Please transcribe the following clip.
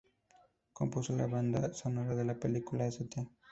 Compuso la banda sonora de la película "St.